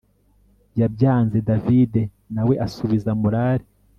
yabyanze david nawe asubiza morale